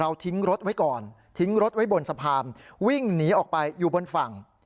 ทิ้งรถไว้ก่อนทิ้งรถไว้บนสะพานวิ่งหนีออกไปอยู่บนฝั่ง